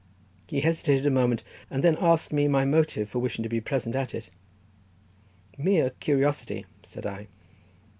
He hesitated a moment, and then asking me my motive for wishing to be present at it. "Merely curiosity," said I.